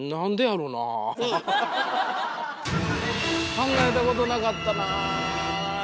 考えたことなかったなぁ。